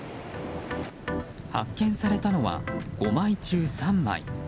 発見されたのは５枚中３枚。